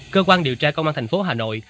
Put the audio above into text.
cơ quan điều tra công an thành phố hà nội